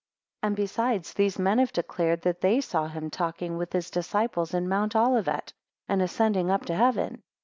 12 And besides, these men have declared, that they saw him talking with his disciples in Mount Olivet, and ascending up to heaven.